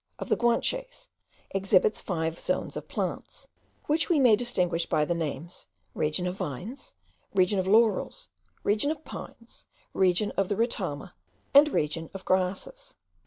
of the Guanches, exhibits five zones of plants, which we may distinguish by the names region of vines, region of laurels, region of pines, region of the retama, and region of grasses.